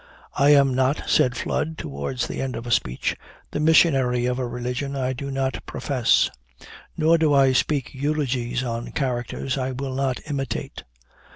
'I am not,' said Flood towards the end of a speech, 'the missionary of a religion I do not profess; nor do I speak eulogies on characters I will not imitate.'